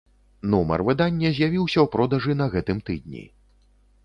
Нумар выдання з'явіўся ў продажы на гэтым тыдні.